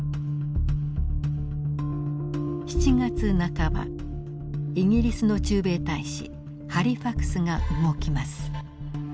７月半ばイギリスの駐米大使ハリファクスが動きます。